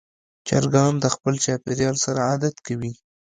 چرګان د خپل چاپېریال سره عادت کوي.